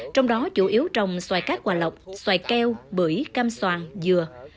trong đó chủ yếu trồng xoài cát quà lọc xoài keo bưởi cam soàn dừa